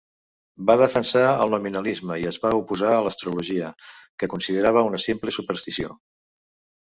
Va defensar el nominalisme i es va oposar a l'astrologia, que considerava una simple superstició.